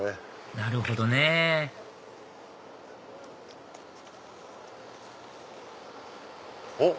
なるほどねおっ！